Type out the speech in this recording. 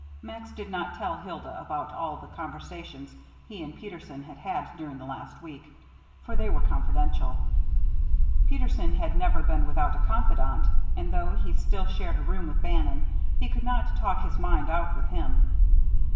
Max did not tell Hilda about all the conversations he and Peterson had had during the last week, for they were confidential. Peterson had never been without a confidant, and though he still shared a room with Bannon, he could not talk his mind out with him.